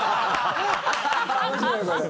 面白いこれ。